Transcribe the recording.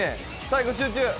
最後集中！